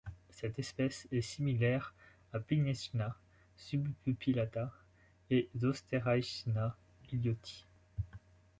Cette espèce est similaire à Pinheyschna subpupilata et Zosteraeschna elioti.